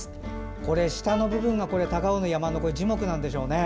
これ、下の部分が高尾の山の樹木なんでしょうね。